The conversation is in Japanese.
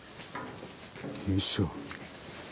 よいしょ。